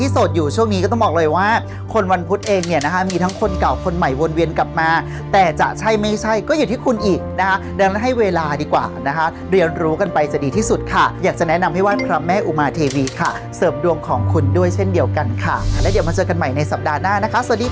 ช่วงนี้ก็ต้องบอกเลยว่าคนวันพุธเองเนี่ยนะคะมีทั้งคนเก่าคนใหม่วนเวียนกลับมาแต่จะใช่ไม่ใช่ก็อยู่ที่คุณอีกนะคะดังนั้นให้เวลาดีกว่านะคะเรียนรู้กันไปจะดีที่สุดค่ะอยากจะแนะนำให้ไหว้พระแม่อุมาเทวีค่ะเสริมดวงของคุณด้วยเช่นเดียวกันค่ะแล้วเดี๋ยวมาเจอกันใหม่ในสัปดาห์หน้านะคะสวัสดี